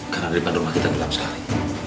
karena di depan rumah kita dalam sekali